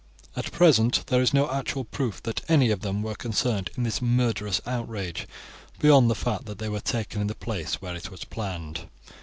"At present there is no actual proof that any of them were concerned in this murderous outrage beyond the fact that they were taken in the place where it was planned.